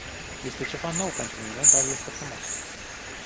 Este ceva nou pentru mine, dar este frumos.